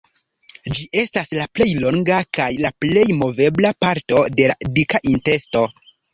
Ĝi estas la plej longa kaj la plej movebla parto de la dika intesto.